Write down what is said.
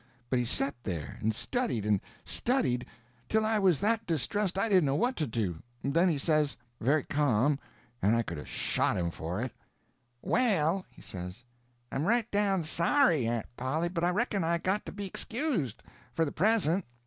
But he set there and studied and studied till I was that distressed I didn't know what to do; then he says, very ca'm, and I could a shot him for it: "Well," he says, "I'm right down sorry, Aunt Polly, but I reckon I got to be excused—for the present."